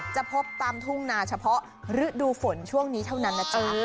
จะพบตามทุ่งนาเฉพาะฤดูฝนช่วงนี้เท่านั้นนะจ๊ะ